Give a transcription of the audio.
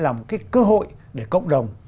là một cái cơ hội để cộng đồng